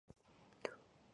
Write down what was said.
Wajibu wako ni upi?